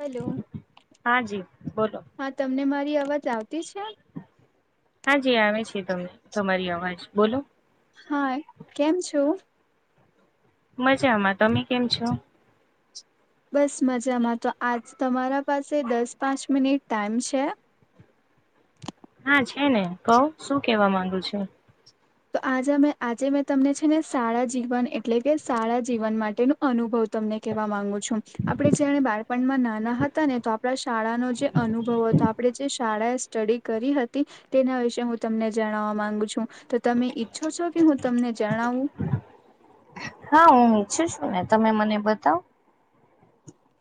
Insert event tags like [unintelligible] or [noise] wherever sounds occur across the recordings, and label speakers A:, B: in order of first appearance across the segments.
A: Hello
B: હા જી બોલો.
A: હા તમને મારી અવાજ આવતી છે.
B: હા જી આવે છે તમને તમારી અવાજ બોલો.
A: હાય કેમ છો.
B: મજામાં તમે કેમ છો.
A: બસ મજામાં તો આજ તમારા પાસે દસ પાંચ મિનિટ ટાઈમ છે.
B: હા છે ને કવો શું કેવા માંગુ છો.
A: તો આજ આજે મેં તમને છે ને સારા જીવન એટલે કે સારા જીવન માટે નો અનુભવ તમને કેવા માંગુ છું. આપણે જ્યારે બાળપણમાં નાના હતા ને તો આપણા શાળાનો જે અનુભવ હતો આપણે જે શાળાએ સ્ટડી કરી હતી તેના વિશે હું તમને જણવા માંગુ છું તો તમે ઈચ્છો છો કે હું તમને જણાવું.
B: હા હું ઈચ્છું છું ને તમે મને બતાવો.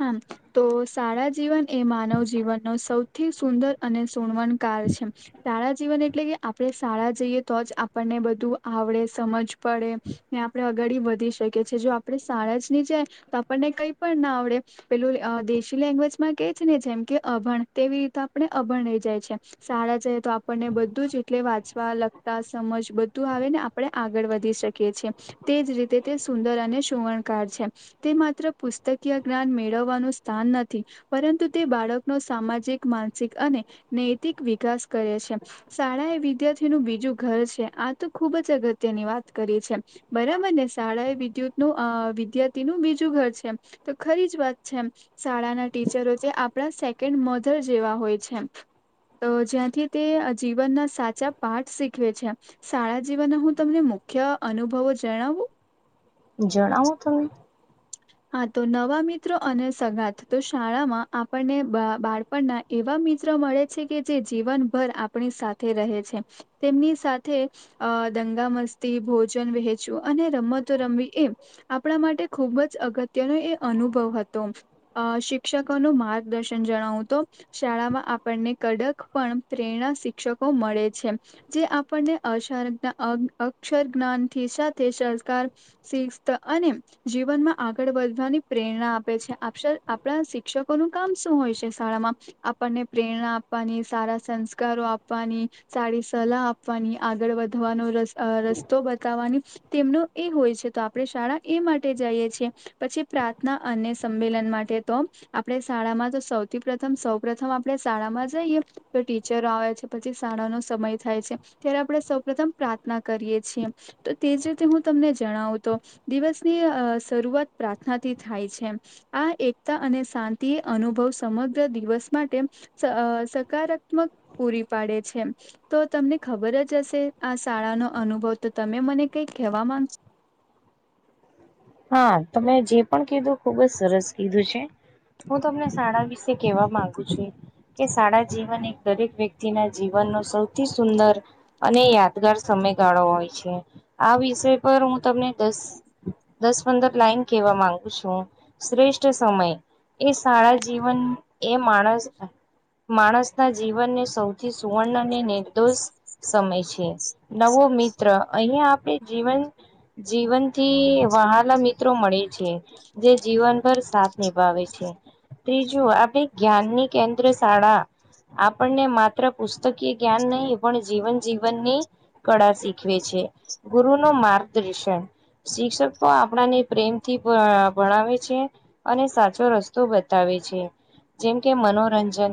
A: હા. તો શાળા જીવન એ માનવ જીવનનો સૌથી સુંદર અને સુણવણ કળ છે. શાળા જીવન એટલે કે આપણે શાળા જઈએ તો જ આપણને બધું આવડે સમજ પડે. ને આપણે અગાળી વધી શકીએ છીએ જો આપણે શાળા જ ની જાય તો આપણને કઈ પણ ના આવડે. પેલું આ દેશી લેંગ્વેજમાં કે છે ને જેમ કે અભણ તેવી રીતે આપણે અભણ રહી જાય છે. શાળા જઈ તો આપણને બધું જ એટલે વાંચવા લખતા સમજ બધું આવે ને અપ આપણે આગળ વધી શકીએ છીએ. તે જ રીતે તે સુંદર અને સુવણકાર છે તે માત્ર પુસ્તકીય જ્ઞાન મેળવવાનું સ્થાન નથી. પરંતુ તે બાળકનો સામાજિક માનસિક અને નૈતિક વિકાસ કરે છે. શાળા એ વિદ્યાર્થીનું બીજું ઘર છે આ તો ખુબ જ અગત્યની વાત કરી છે. બરાબર ને શાળાએ વિદ્યુત નું અ વિદ્યાર્થીનું બીજું ઘર છે. તો ખરી જ વાત છે એમ. શાળાના ટીચરો જે આપણા સેકન્ડ મધર જેવા હોય છે. તો જ્યાંથી તે જીવનના સાચા પાઠ શીખવે છે. શાળા જીવન ના હું તમને મુખ્ય અનુભવો જણાવું.
B: જણાવો તમે.
A: હા તો નવા મિત્રો અને સગાથ તો શાળામાં આપણને બા બાળ પણ ન એવા મિત્ર મળે છે કે જે જીવનભર આપણી સાથે રહે છે. તેમની સાથે અ દંગા મસ્તી ભોજન વહેંચવું અને રમતો રમવી એમ આપણા માટે ખુબ જ અગત્યનો એ અનુભવ હતો. અ શિક્ષકોનું માર્ગદર્શન જણાવું તો શાળામાં આપણને કડક પણ પ્રેરણા શિક્ષકો મળે છે. જે આપણને [unintelligible] અ અક્ષર જ્ઞાનથી સાથે સંસ્કાર શિસ્ત અને જીવનમાં આગળ વધવાની પ્રેરણા આપે છે [unintelligible] આપણા શિક્ષકોનું કામ શું હોય છે શાળામાં આપણને પ્રેરણા આપવાની સારા સંસ્કારો આપવાની સારી સલાહ આપવાની આગળ વધવાનો આ રસ્તો બતાવવાની તેમનો એ હોય છે તો આપડણે શાળા એ માટે જએ છીએ. પછી પ્રાર્થના અને સંમેલન માટે તો આપણે શાળામાં તો સૌથી પ્રથમ સૌ પ્રથમ આપડણે શાળામાં જઈએ તો ટીચર આવે છે પછી શાળાનો સમય થાય છે. ત્યારે આપણે સૌ પ્રથમ પ્રાર્થના કરીએ છીએ. તો તેજ રીતે હું તમને જણાવું તો દિવસની અ શરૂઆત પ્રાર્થના થી થાય છે એમ. આ એકતા અને શાંતિ અનુભવ સમગ્ર દિવસ માટે સ સકારાક તવક પૂરી પાડે છે. તો તમને ખબર જ હશે આ શાળા નો અનુભવ તો તમે મને કઈ કહેવા માંગ
B: હા તમે જે પણ કીધું ખુબ જ સરસ કીધું છે. હું તમને શાળા વિશે કેવા માંગુ છું. કે શાળા જીવન એક દરેક વ્યક્તિના જીવનનો સૌથી સુંદર અને યાદગાર સમયગાળો હોય છે આ વિષય પર હું તમને દસ દસ પંદર લાઈન કેવા માંગુ છું શ્રેષ્ઠ સમય એ શાળા જીવન એ માણસ માણસના જીવનને સૌથી સુવર્ણ અને નિર્દોષ સમય છે. નવો મિત્ર અહીયાં આપે જીવન જીવનથી વહાલા મિત્રો મળે છે જે જીવનભર સાથ નિભાવે છે. ત્રીજું આપડી જ્ઞાન ની કેન્દ્ર શાળા આપણને માત્ર પુસ્તકીય જ્ઞાન નહીં એ પણ જીવન જીવનની કળા શીખવે છે ગુરુ નો માર્ગદૃર્શન શિક્ષક તો આપણાને પ્રેમથી ભ ભણાવે છે અને સાચો રસ્તો બતાવે છે. જેમ કે મનોરંજન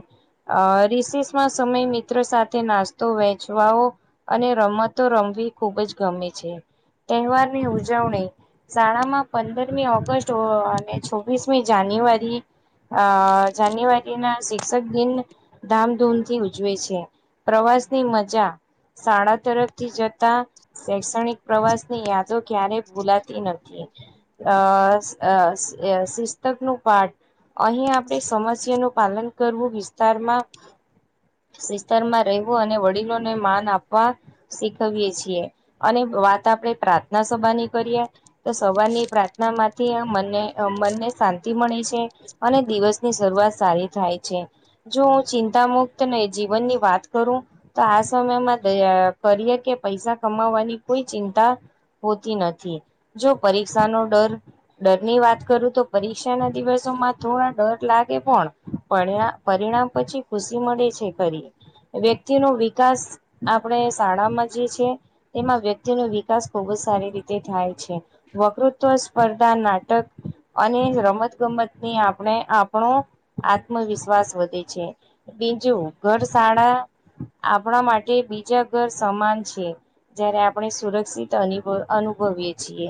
B: અ રિસીસમાં સમય મિત્રો સાથે નાસ્તો વેચવાઓ અને રમતો રમવી ખૂબ જ ગમે છે તહેવારની ઉજવણી શાળામાં પંદરમી ઓગસ્ટ ઓ અને છવ્વીસમી જાન્યુઆરી અ જાન્યુઆરી ના શિક્ષક દિન ધામધૂમથી ઉજવે છે પ્રવાસની મજા શાળા તરફથી જતા શૈક્ષણિક પ્રવાસ ની યાદો ક્યારેય ભૂલાતી નથી અસ અસ અ શિસ્તક નું પાઠ. અહીં આપણે સમસ્યા નું પાલન કરવું વિસ્તારમાં વિસ્તારમાં રહેવું અને વડીલોને માન આપવા શીખવીએ છીએ અને વ વાત આપણે પ્રાર્થના સભાની કરીએ તો સવારની પ્રાર્થના માંથી અ મને મનને શાંતિ મળી છે. અને દિવસની શરૂઆત સારી થાય છે. જો હું ચિંતા મુક્ત ને જીવનની વાત કરું તો આ સમયમાં અ કરીએ કે પૈસા કમાવાની કોઈ ચિંતા હોતી નથી જો પરીક્ષાનો ડર ડર ની વાત કરું તો પરીક્ષા ના દિવસો માં થોડા ડર લાગ. ગે પણ પરિણ પરિણામ પછી ખુશી મળે છે ખરી. વ્યક્તિ નો વિકાસ આપણે શાળામાં જે છે. તેમાં વ્યક્તિ નુ વિકાસ ખૂબ જ સારી રીતે થાય છે વકૃત્વ સ્પર્ધા નાટક અને રમત ગમતની આપણે આપણો આત્મવિશ્વાસ વધે છે. બીજું ઘર શાળા આપણા માટે બીજા ઘર સમાન છે. જયારે આપણે સુરક્ષિત અનીવ અનુભવીએ. છીએ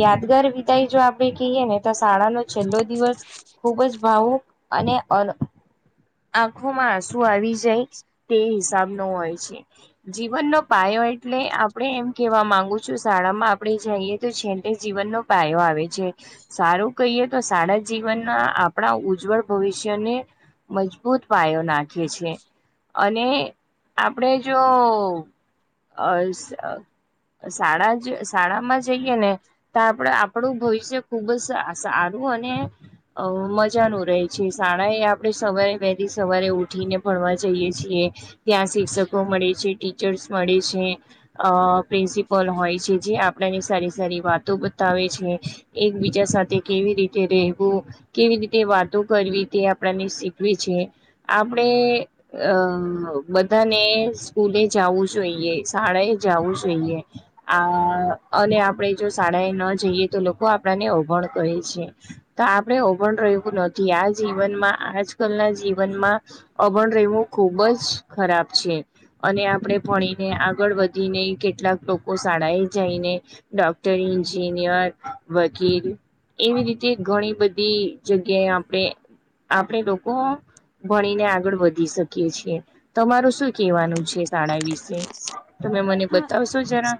B: યાદગાર વિદાય જો આપડે કીયે ને તો શાળાનો છેલ્લો દિવસ ખુબ જ ભાવુક અને અ આંખોમાં આસુ આવી જે તે હિસાબ. હોય છે, જીવનનો પાયો એટલે આપણે એમ કેવા માંગુ છું શાળામાં આપણે જઈએ તો છે તે જીવનનો પાયો આવે છે. સારું કહીએ તો સારા જીવનના આપણા ઉજ્જવળ ભવિષ્યને, મજ અદભૂત પાયો નાખીએ છીએ, અને આપણેે જો અ સાડા જ સાડા માં જઈએ ને, તો આપડ આપણું ભવિષ્ય ખુબ જ સારું અને અ મજા ન રહે છે શાળા એ આપણે સવારે બેથી સવારે ઉઠીને ભણવા જઈએ છીએ. ત્યાં શિક્ષકો મળે છે ટીચર્સ મળે છે. અ પ્રિન્સિપલ હોય છે જે આપડાની સારી સારી વાતો બતાવે છે, એકબીજા સાથે કેવી રીતે રહેવું. કેવી રીતે વાતો કરવી તે આપણને શીખવી છે, આપણેે અ બધાને સ્કૂલે જવું જોઈએ શાળાએ જવું જોઈએ. આ અને આપડે જો શાળાએ ન જઈએ તો લોકો આપડાને અવભણ કે છે. તો આપણે ઓ પણ રહ્યું નથી આ જીવનમાં આજકાલના જીવનમાં અભણ રહેવું ખુબ જ ખરાબ છે. અને આપડણે ભણીને આગળ વધીને કેટલાક લોકો શાળાએ જઈને. ડોક્ટર ન્જિનિયર વકીલ એવી રીતે ઘણી બધી બી જગ્યાએ આપણે આપણે લોકો ભણીને આગળ વધી શકીએ છીએ, તમાર શું કેવાનું છે સાડા વીસ. તમે મને
A: હા,
B: બતાવશો જરા.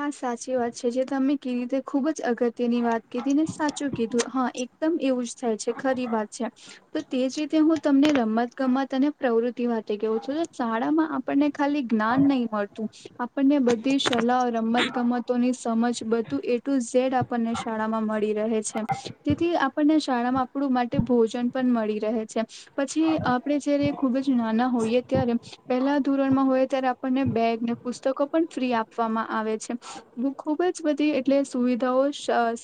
A: હા સાચી વાત છે જે તમે કીધી તે ખુબ જ અગત્યની વાત કીધી ને સાચું કીધું હા એકદમ એવું જ. થાય છે ખરી વાત છે. તો તે જ રીતે હું તમને રમત ગમત અને પ્રવૃત્તિ વા ગઉં છું શાળામાં આપણને ખાલી જ્ઞાન નહી મળતું, આપણને બધી સલાહ રમત ગમતોની સમજ બધું એટું ઝેડ આપણને શાળામાં મળી રહે છે, તેથી આપણને શાળામાં આપડું માટે ભોજન પણ મળી રહે છે. પછી આપણે જયારે ખૂબ જ નાના હોઈએ ત્યારે, પહેલા ધોરણમાં હોય ત્યારે બેગને પુસ્તકો પણ ફ્રી આપવામાં આવે છે, બ ખુબ જ બધી એટલે સુવિધાઓ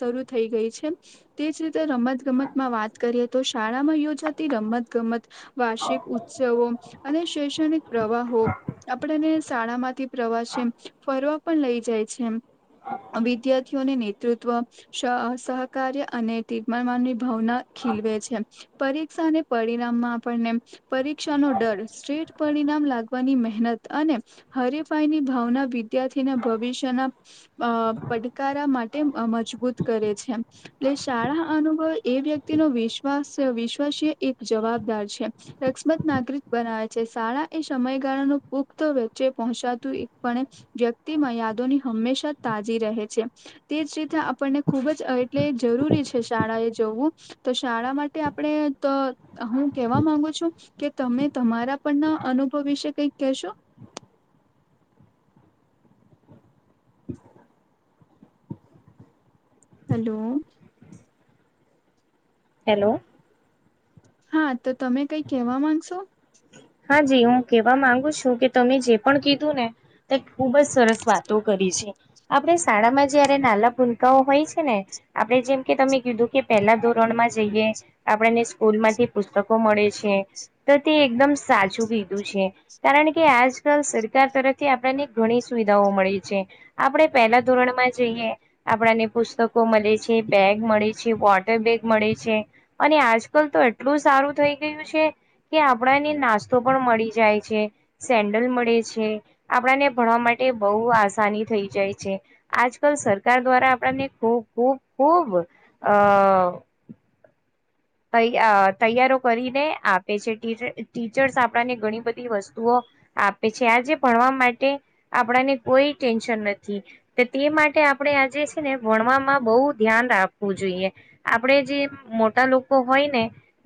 A: શરૂ થઈ ગઈ છે. તેજ રીતે રમત ગમતમાં વાત કરીએ તો શાળામાં યોજાતી રમત ગમત, વાર્ષિક ઉત્સવો અને શૈક્ષણિક પ્રવાહો આપડને શાળા માંથી પ્રવાસે એમ ફરવા પણ લઈ જાય છે એમ. વિદ્યાર્થીઓને નેતૃત્વ, સહકાર્ય અને તર્માન માનની ભાવના ખીલવે છે, પરીક્ષા અને પરિણામમાં આપણને પરીક્ષાનો ડર સ્ટ્રેટ પરિણામ લાગવાની મહેનત અને હરીફાઈની ભાવના વિદ્યાર્થીના ભવિષ્યના અ પડકારા માટે મજબૂત કરે છે. એટલે શાળા અનુભવ એ વ્યક્તિ ન વિશ્વાસ વિશ્વાસીય એક જવાબદાર છે. રક્ષમત નાગરિક બનાવે છે શાળા એ સમયગાળા ન પુખત વચ્ચે પહોંચાતું પણણે વ્યક્તિ મર્યાદોની હંમેશા તાજી રહે છે. તે જ રીતે આપણને ખુબ જ એટલે જરૂરી છે શાળા એ જોવું. તો શાળા માટે આપણે હું કેવા માંગુ છું. કે તમે તમારા પણ ના અનુભવ વિશે કઈક કહેશો. હેલો.
B: હલો.
A: હા તો તમે કઈ કેવા માંગશો.
B: હા જી હું કેવા માંગુ છું કે તમે જે પણ કીધું ને. તે ખુબ જ સરસ વાતો કરી છે, આપણે શાળામાં જયારે નાલા ભૂલકાઓ હોય છે ને. આપડણે જેમ કે તમે કીધું કે પહેલા ધોરણમાં જઈએ. આપણને સ્કૂલ માંથી પુસ્તકો મળે છે, તો તે એકદમ સાચું કીધું છે. કારણ કે આજકાલ સરકાર તરફથી આપણને ઘણી સુવિધાઓ મળી છે. આપણેે પહેલા ધોરણમાં જઈએ. આપણાને પુસ્તકો મલે છે, બેગ મળે છે વોટર બેગ મળે છે. અને આજકલ તો એટલું સારું થઈ ગયું છે કે આપણાને નાસ્ તો પણ મળી જાય છે. સેન્ડલ મળે છે, આપણાને ભણવા માટે બઉ આસાની થઈ જાય છે. આજકાલ સરકાર દ્વારા આપણને ખૂબ ખૂબ ખૂબ અ તૈયા અ તૈયાર કરીને આપે છે, ટી ટીચર્સ આપણને ઘણી બધી વસ્તુઓ આપે છે આજે ભણવા માટે આપણાને કોઈ ટેન્શન નથી. તો તે માટે આપણે આજે છે ને વણવામાં બહુ ધ્યાન રાખવું જોઈએ. આપણેે જે મોટા લોકો હોય ને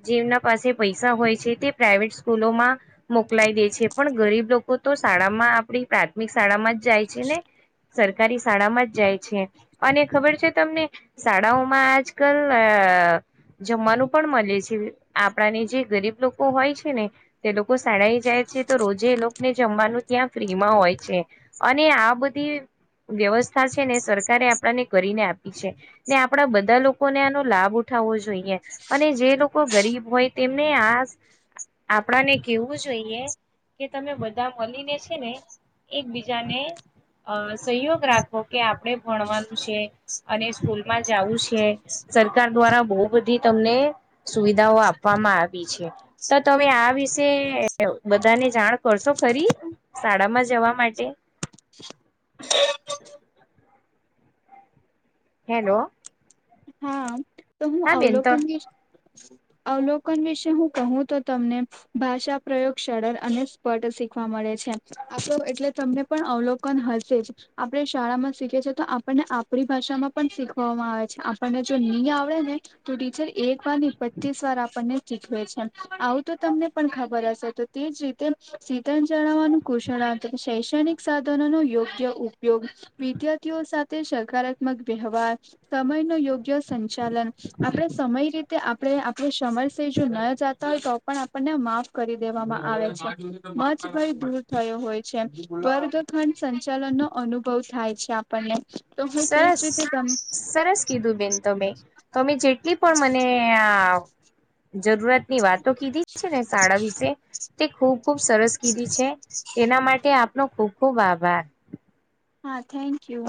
B: જેમના પાસે પૈસા હોય છે તે પ્રાઈવેટ સ્કૂલોમાં મોકલાય દે છે પણ ગરીબ લોકો તો શાળામાં આપણી પ્રાથમિક શાળામાં જ જાય છે ને. સરકારી શાળામાં જ જાય છે અને ખબર છે તમને શાળાઓમાં આજકાલ અ જમવાનું પણ મલે છે આપણાને જે ગરીબ લોકો હોય છે ને તે લોકો શાળાએ જાય છે તો રોજે એ લોકોને જમવાનું ત્યાં ફ્રી માં હોય છે. અને આ બધી વ્યવસ્થા છે ને સરકારે આપણને કરીને આપ ને આપણા બધાં લોકોને આનો લાભ ઉઠાવવો જોઈએ. અને જે લોકો ગરીબ હોય તેમને આસ આપણાને કેવું જોઈએ કે તમે બધાં મલીને છે ને એકબીજાને અ સંયોગ રાખો કે આપણે ભણવાનું છે. અને સ્કૂલમાં જાવું છે સરકાર દ્વારા બો બધી તમને સુવિધાઓ આપવામાં આવી છે તો તમે આ વિશ શે બધાને જાણ કરશો ખરી શાળામાં જવા માટે? હેલો.
A: હા. તો હું
B: હા બેન તો
A: અવલોકન વિ અવલોકન વિશે હું કહું તો તમને ભાષા પ્રયોગ સરળ અને સ્પટ શીખવા મળે છે આપો એટલે તમને પણ અવલોકન હશે જ. આપણે શાળામાં શીખયે છીએ તો આપણને આપણી ભાષામાં પણ શીખવામાં આવે છે આપણને જો ની આવ વડે ને તો ટીચર એકવાર ની પચ્ચીસ વાર આપણને શીખવે છે આવું તો તમને પણ ખબર હશે તો તે જ રીતે શીધન જણાવાનું કુષણાથ શૈક્ષણિક સાધનોનો યોગ્ય ઉપયોગ વિદ્યાર્થીઓ સાથે સકારાત્મક વ્યવહાર, સમયનો યોગ્ય સંચાલન આપણે સમય રીતે આપણે આપણુ સમયસર જો ન જાતા હોય તો પણ આપણને માફ કરી દેવામાં આવે છે મજ ભય દૂર થયો હોય છે પર જો ખંડ સંચાલનનો અનુભવ થાય છે આપણને. તો હું તેજ
B: સરસ
A: રીતે તમ
B: સરસ કીધું બેન તમે તમે જેટલી પણ મને આ જરૂરતની વાતો કીધી છે ને શાળા વિશે તે ખૂબ ખૂબ સરસ કીધી છે એના મા ટે આપનો ખુબ ખુબ આભાર.
A: હા, થેન્ક યુ.